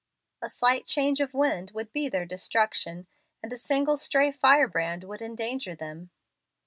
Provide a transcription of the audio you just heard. A slight change of wind would be their destruction, and a single stray fire brand would endanger them.